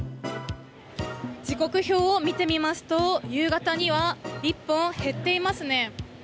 時刻表を見てみますと夕方には１本減っていますね。